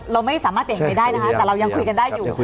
เราไม่สามารถเปลี่ยนไปได้นะคะแต่เรายังคุยกันได้อยู่